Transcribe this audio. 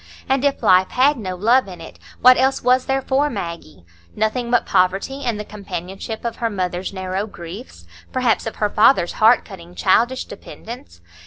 And if life had no love in it, what else was there for Maggie? Nothing but poverty and the companionship of her mother's narrow griefs, perhaps of her father's heart cutting childish dependence.